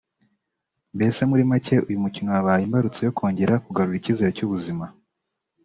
Mbese muri make uyu mukino wabaye imbarutso yo kongera kugarura icyizere cy’ubuzima